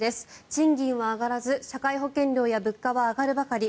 賃金は上がらず社会保険料や物価は上がるばかり。